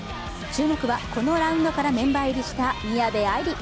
注目は、このラウンドからメンバー入りした宮部藍梨。